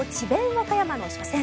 和歌山の初戦。